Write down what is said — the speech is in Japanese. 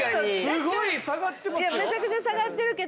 すごい下がってますよ。